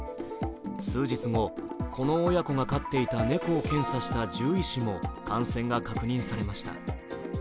数日後、この親子が飼っていたネコを検査した獣医師も感染が確認されました。